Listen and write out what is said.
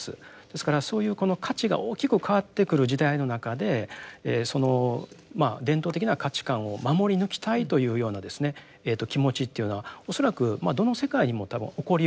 ですからそういうこの価値が大きく変わってくる時代の中でその伝統的な価値観を守り抜きたいというような気持ちというのは恐らくどの世界にも多分起こりうるということですよね。